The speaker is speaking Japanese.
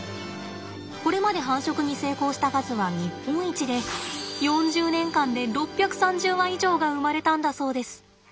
これまで繁殖に成功した数は日本一で４０年間で６３０羽以上が生まれたんだそうです。